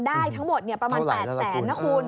ได้ทั้งหมดประมาณ๘แสนนะคุณ